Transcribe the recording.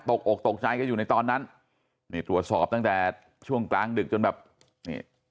อกตกใจกันอยู่ในตอนนั้นนี่ตรวจสอบตั้งแต่ช่วงกลางดึกจนแบบนี่